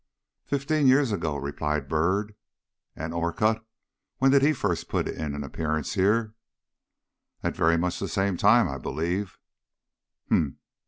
"Fifteen years ago," replied Byrd. "And Orcutt when did he first put in an appearance here?" "At very much the same time, I believe."